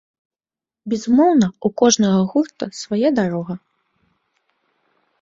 Безумоўна, у кожнага гурта свая дарога.